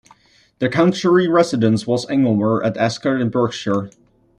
Their country residence was 'Englemere' at Ascot in Berkshire.